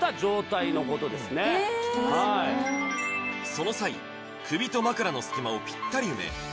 その際首と枕の隙間をぴったり埋めＳ